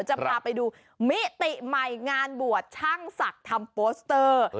จะพาไปดูมิติใหม่งานบวชช่างศักดิ์ทำโปสเตอร์